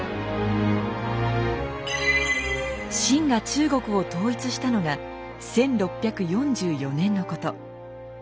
清が中国を統一したのが１６４４年のこと。